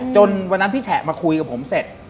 วันนั้นพี่แฉะมาคุยกับผมเสร็จ